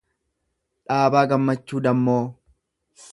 Dhaabaa Gammachuu Dammoo